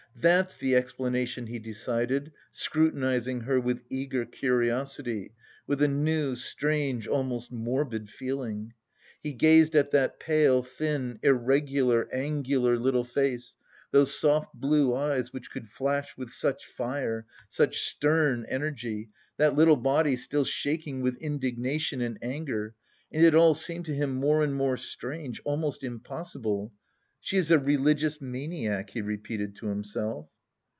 That's the explanation," he decided, scrutinising her with eager curiosity, with a new, strange, almost morbid feeling. He gazed at that pale, thin, irregular, angular little face, those soft blue eyes, which could flash with such fire, such stern energy, that little body still shaking with indignation and anger and it all seemed to him more and more strange, almost impossible. "She is a religious maniac!" he repeated to himself.